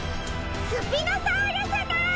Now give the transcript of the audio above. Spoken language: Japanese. スピノサウルスだ！